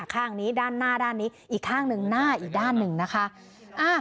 ข้างนี้ด้านหน้าด้านนี้อีกข้างหนึ่งหน้าอีกด้านหนึ่งนะคะ